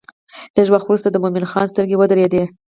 لږ وخت وروسته د مومن خان سترګې ودرېدې.